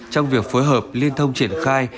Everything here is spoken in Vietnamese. trong việc phối hợp liên thông triển khai